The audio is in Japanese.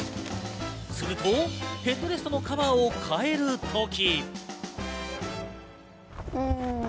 するとヘッドレストのカバーを替えるとき。